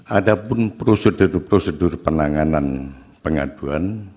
adapun prosedur prosedur penanganan pengaduan